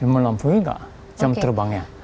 melampungi nggak jam terbangnya